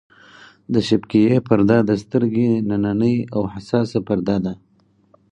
د شبکیې پرده د سترګې نننۍ او حساسه پرده ده.